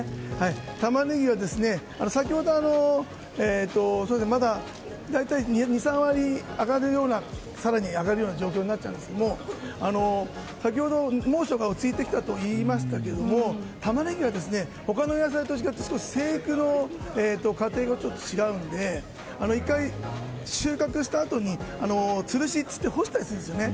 タマネギは大体２３割更に上がるような状況になっちゃうんですが先ほど、猛暑が落ち着いてきたといいましたがタマネギはほかの野菜と違って少し生育の過程がちょっと違うので１回、収穫したあとにつるしといって干したりするんですよね。